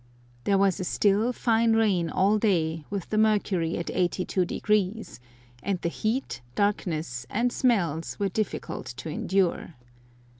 There was a still, fine rain all day, with the mercury at 82°, and the heat, darkness, and smells were difficult to endure.